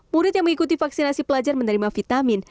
murid yang mengikuti vaksinasi pelajar menerima vitamin